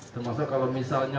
termasuk kalau misalnya